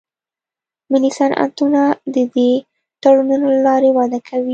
ملي صنعتونه د دې تړونونو له لارې وده کوي